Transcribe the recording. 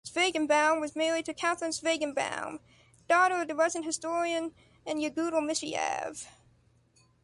Tsvaygenbaum was married to Catherine Tsvaygenbaum, daughter of the Russian historian Yagutil Mishiev.